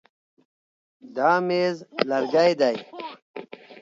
دا مېز لرګی دی.